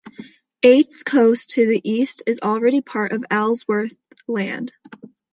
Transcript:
Eights Coast to the east is already part of Ellsworth Land.